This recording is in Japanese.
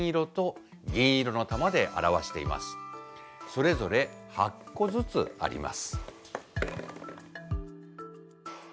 それぞれ８個ずつあります。